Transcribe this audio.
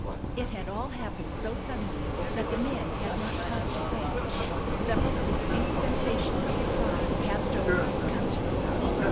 It had all happened so suddenly that the man had not time to think. Several distinct sensations of surprise passed over his countenance.